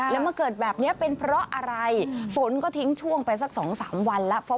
แล้วมาเกิดแบบนี้เป็นเพราะอะไรฝนก็ทิ้งช่วงไปสัก๒๓วันแล้ว